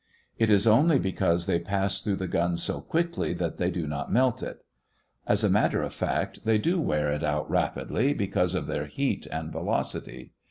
It is only because they pass through the gun so quickly, that they do not melt it. As a matter of fact, they do wear it out rapidly because of their heat and velocity.